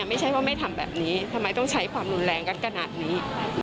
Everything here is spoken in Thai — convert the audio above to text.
ไม่ใช่ว่าไม่ทำแบบนี้ทำไมต้องใช้ความรุนแรงกันขนาดนี้